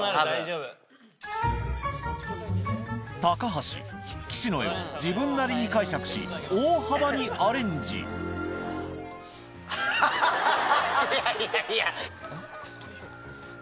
橋岸の絵を自分なりに解釈し大幅にアレンジいやいやいや。